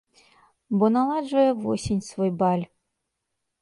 Бо наладжвае восень свой баль.